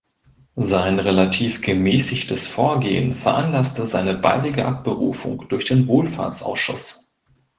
Sein relativ gemäßigtes Vorgehen veranlasste seine baldige Abberufung durch den Wohlfahrtsausschuss.